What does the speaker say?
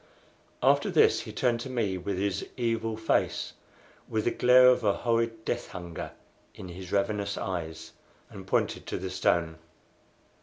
After this he turned to me with his evil face, with the glare of a horrid death hunger in his ravenous eyes, and pointed to the stone.